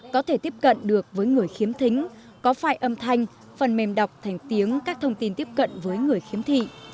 có thể tiếp cận được với người khiếm thính có file âm thanh phần mềm đọc thành tiếng các thông tin tiếp cận với người khiếm thị